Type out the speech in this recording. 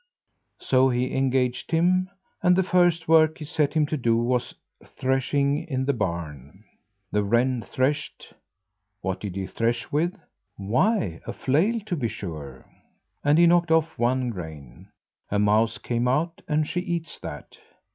So he engaged him, and the first work he set him to do was threshing in the barn. The wren threshed (what did he thresh with? Why a flail to be sure), and he knocked off one grain. A mouse came out and she eats that.